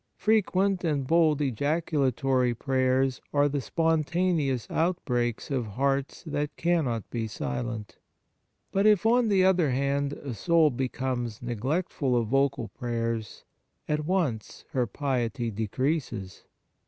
Frequent and bold ejaculatory prayers are the spontaneous outbreak of hearts that cannot be silent. But if, on the other hand, a soul becomes neglectful of vocal prayers, at once her piety decreases.